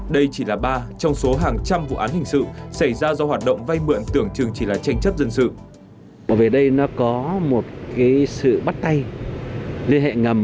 đây chỉ là ba trong số hàng trăm vụ án hình sự xảy ra do hoạt động vay mượn tưởng chừng chỉ là tranh chấp dân sự